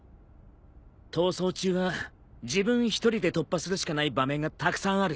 逃走中は自分一人で突破するしかない場面がたくさんある。